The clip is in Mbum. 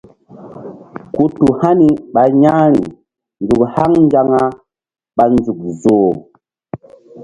Ku tu hani ɓa ƴa̧h ri nzuk haŋ nzaŋa ɓa nzuk zoh.